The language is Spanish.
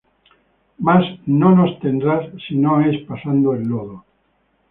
Más no nos tendrás sino es pasando el lodo.